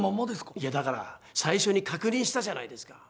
いやだから最初に確認したじゃないですか